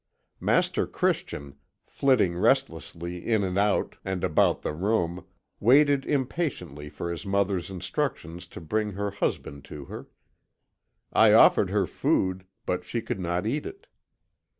Master Christian, flitting restlessly in and out and about the room, waited impatiently for his mother's instructions to bring her husband to her. I offered her food, but she could not eat it.